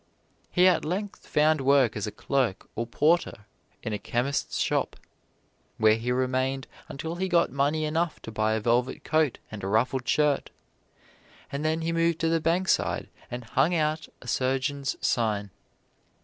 He at length found work as clerk or porter in a chemist's shop, where he remained until he got money enough to buy a velvet coat and a ruffled shirt, and then he moved to the Bankside and hung out a surgeon's sign.